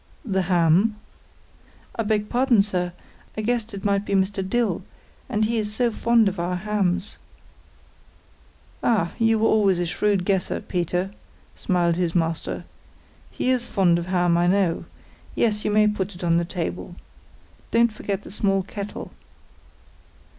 "The ham?" "I beg pardon, sir; I guessed it might be Mr. Dill, and he is so fond of our hams." "Ah, you were always a shrewd guesser, Peter," smiled his master. "He is fond of ham I know; yes, you may put it on the table. Don't forget the small kettle."